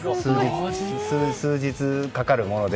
普通は数日かかるもので。